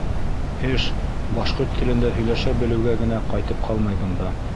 Эш башҡорт телендә һөйләшә белеүгә генә ҡайтып ҡалмай бында.